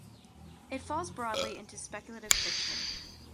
It falls broadly into speculative fiction.